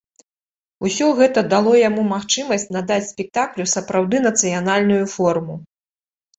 Усё гэта дало яму магчымасць надаць спектаклю сапраўды нацыянальную форму.